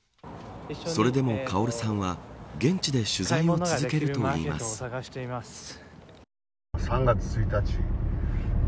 それでもカオルさんは現地で取材を続けるといいます。